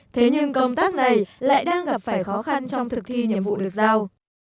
thế nhưng công tác này lại đang gặp phải khó khăn trong thực thi nhiệm vụ được giao